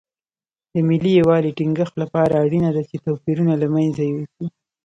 د ملي یووالي ټینګښت لپاره اړینه ده چې توپیرونه له منځه یوسو.